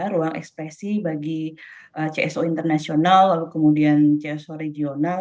ruang ekspresi bagi cso internasional lalu kemudian cso regional